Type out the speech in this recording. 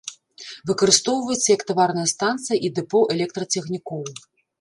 Выкарыстоўваецца як таварная станцыя і дэпо электрацягнікоў.